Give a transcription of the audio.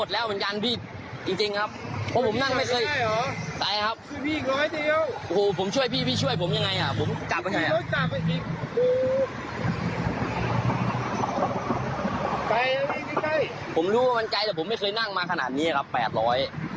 ถ้าผมรู้ว่า๘๐๐ผมไม่มาในที่แรกแล้ว